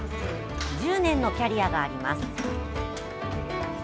１０年のキャリアがあります。